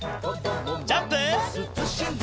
ジャンプ！